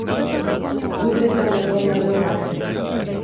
Вы гэта, напэўна, заўважылі.